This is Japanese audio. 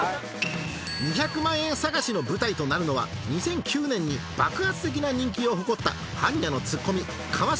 ２００万円探しの舞台となるのは２００９年に爆発的な人気を誇ったはんにゃのツッコミ川島